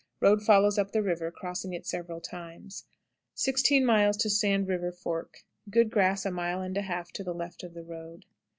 Road follows up the river, crossing it several times. 16. Sand River Fork. Good grass a mile and a half to the left of the road.